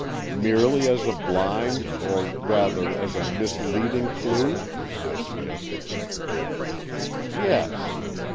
"Merely as a blind, or, rather as a misleading clue?" I suggested. "Yes.